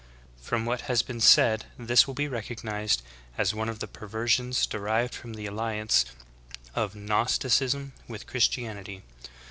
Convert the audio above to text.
From what has been said this will be recognized as one of the per versions derived from the alliance of Gnosticism with Chris tianity.